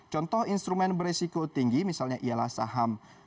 contoh instrumen beresiko tinggi misalnya ialah saham